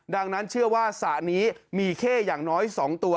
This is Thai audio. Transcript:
ดังนั้นเชื่อว่าสระนี้มีเข้อย่างน้อย๒ตัว